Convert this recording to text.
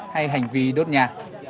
hay hành vi đốt nhà